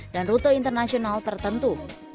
dan rute internasional tertentu